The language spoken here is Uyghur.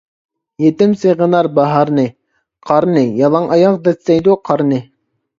يېتىم سېغىنار باھارنى، قارنى، يالاڭ ئاياغدا دەسسەيدۇ قارنى.